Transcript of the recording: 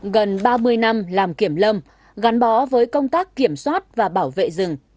gần ba mươi năm làm kiểm lâm gắn bó với công tác kiểm soát và bảo vệ rừng